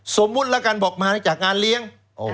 สมมติมั้ยจากงานเลี้ยง